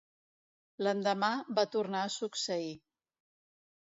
L'endemà va tornar a succeir.